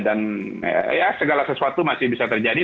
dan ya segala sesuatu masih bisa terjadi